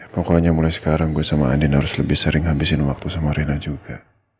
pokoknya mulai sekarang gue sama andin harus lebih sering habisin waktu sama rina juga